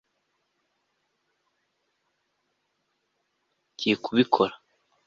ugiye kubikora